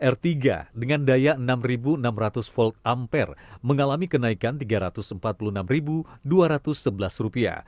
r tiga dengan daya enam enam ratus volt ampere mengalami kenaikan rp tiga ratus empat puluh enam dua ratus sebelas